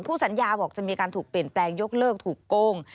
สัญญาบอกจะมีการถูกเปลี่ยนแปลงยกเลิกถูกโกง